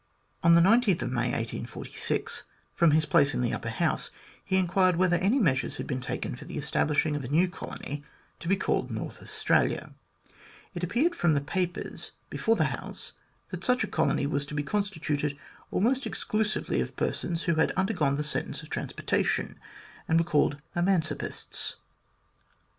On May 19, 1846, from his place in the Upper House, he inquired whether any measures had been taken for establish ing a new colony to be called North Australia. It appeared from the papers before the House that such a colony was to be constituted almost exclusively of persons who had under gone the sentence of transportation, and were called eman cipists.